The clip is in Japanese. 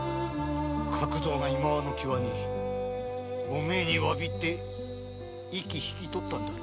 角蔵がいまわの際におめえにわびて息を引き取ったんだ。